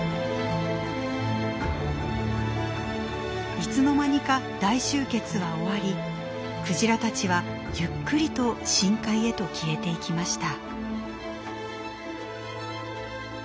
いつの間にか大集結は終わりクジラたちはゆっくりと深海へと消えていきました。